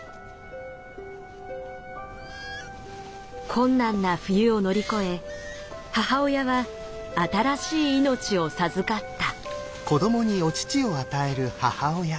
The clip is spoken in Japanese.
困難な冬を乗り越え母親は新しい命を授かった。